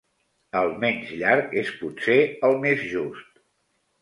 El menys llarg és potser el més just.